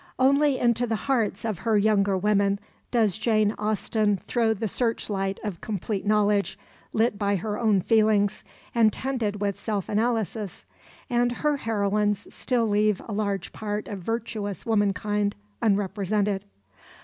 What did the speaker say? Only into the hearts of her younger women does Jane Austen throw the searchlight of complete knowledge, lit by her own feelings, and tended with self analysis, and her heroines still leave a large part of virtuous womankind unrepresented.